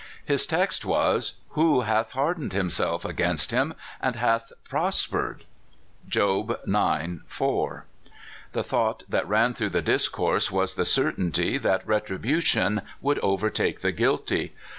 His text was, Who hath hardened himself against him, and hath pros pered f (Job ix. 4.) The thought that ran through the discourse was the certainty that retribution would overtake the guilty.